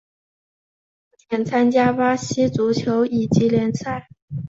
目前参加巴西足球乙级联赛。